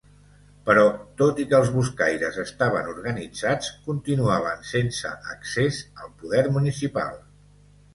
Però tot i que els buscaires estaven organitzats, continuaven sense accés al poder municipal.